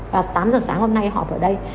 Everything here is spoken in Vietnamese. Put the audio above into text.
và tám giờ sáng hôm nay họp ở đây